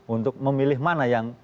untuk memilih mana yang